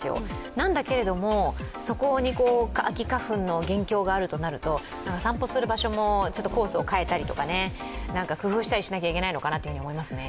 なんだけれども、そこに秋花粉の元凶があるとなると散歩する場所もちょっとコースを変えたり、工夫したりしなきゃいけないのかなと思います